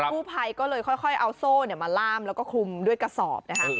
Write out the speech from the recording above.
ผู้ภัยก็เลยค่อยเอาโซ่มาล่ามแล้วก็คลุมด้วยกระสอบนะคะ